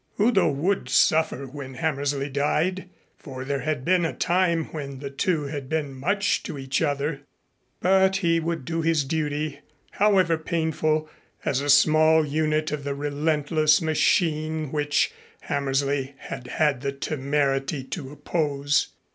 Udo would suffer when Hammersley died, for there had been a time when the two had been much to each other, but he would do his duty, however painful, as a small unit of the relentless machine which Hammersley had had the temerity to oppose.